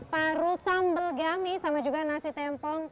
paru sambal gami sama juga nasi tempong